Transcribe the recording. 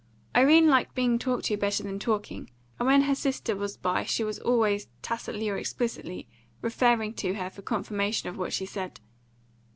Irene liked being talked to better than talking, and when her sister was by she was always, tacitly or explicitly, referring to her for confirmation of what she said.